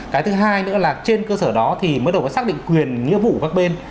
cái thứ hai nữa là trên cơ sở đó thì mới được xác định quyền nhiệm vụ các bên